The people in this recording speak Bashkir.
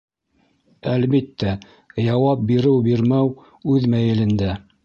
Әлбиттә, яуап биреү- бирмәү үҙ мәйелеңдә.